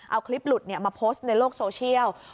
เอาคลิปหลุดมาโพสต์ในโลกโซเชียล